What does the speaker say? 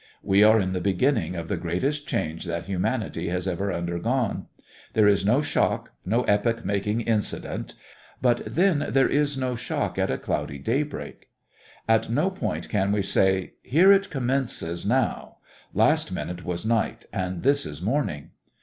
We are in the beginning of the greatest change that humanity has ever undergone. There is no shock, no epoch making incident but then there is no shock at a cloudy daybreak. At no point can we say, "Here it commences, now; last minute was night and this is morning."